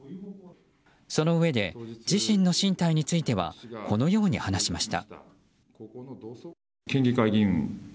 そのうえで自身の進退についてはこのように話しました。